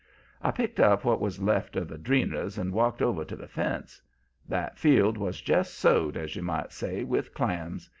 "I picked up what was left of the dreeners and walked over to the fence. That field was just sowed, as you might say, with clams.